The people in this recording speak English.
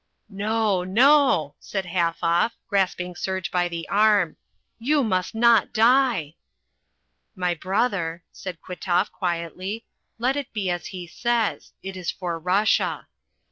"No, no," said Halfoff, grasping Serge by the arm. "You must not die!" "My brother," said Kwitoff quietly, "let it be as he says. It is for Russia!"